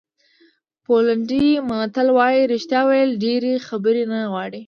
پولنډي متل وایي رښتیا ویل ډېرې خبرې نه غواړي.